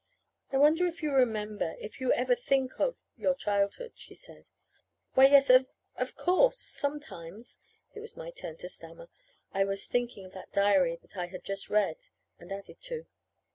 "I wonder if you remember if you ever think of your childhood," she said. "Why, yes, of of course sometimes." It was my turn to stammer. I was thinking of that diary that I had just read and added to.